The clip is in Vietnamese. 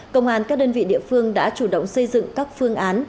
công an các đơn vị địa phương đã chủ động xây dựng các phương án